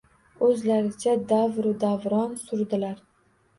O‘zlaricha davru davron surdilar